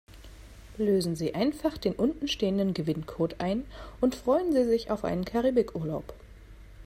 Lösen Sie einfach den unten stehenden Gewinncode ein und freuen Sie sich auf einen Karibikurlaub.